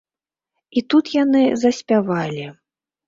І тут яны заспявалі.